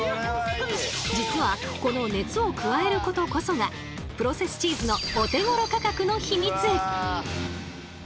実はこの熱を加えることこそがプロセスチーズのお手ごろ価格のヒミツ。